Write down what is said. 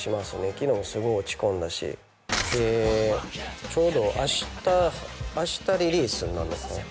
昨日もすごい落ち込んだしでちょうど明日明日リリースになんのかな？